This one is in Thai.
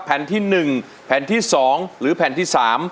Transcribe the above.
แผ่นที่๑แผ่นที่๒หรือแผ่นที่๓